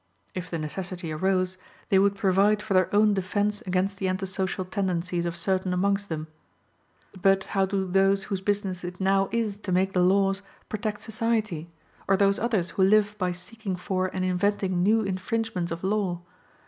If the necessity arose, they would provide for their own defence against the anti social tendencies of certain amongst them. But how do those whose business it now is to make the laws, protect society? Or those others who live by seeking for and inventing new infringements of law?